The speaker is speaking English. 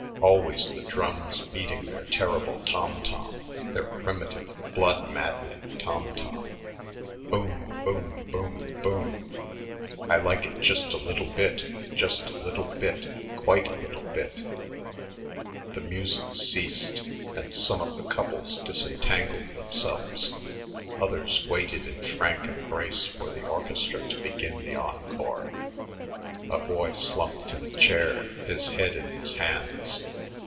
Always the drums beating their terrible tom tom, their primitive, blood maddening tom tom.... Boom, boom, boom, boom "I like it just a little bit, just a little bit, quite a little bit." The music ceased, and some of the couples disentangled themselves; others waited in frank embrace for the orchestra to begin the encore.... A boy slumped in a chair, his head in his hands.